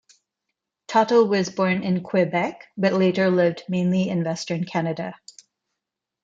Tottle was born in Quebec, but later lived mainly in Western Canada.